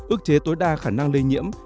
ước chế tối đa khả năng lây nhiễm